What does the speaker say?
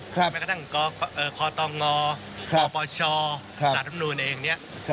หรือแม้กระทั่งคอตองงอคอปอชอศาสตร์ธรรมดูลเองเนี้ย